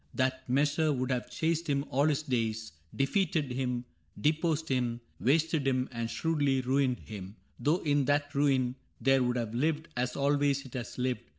That measure would have chased him all his days, Defeated him, deposed him, wasted him. And shrewdly ruined him — though in that ruin There would have lived, as always it has lived.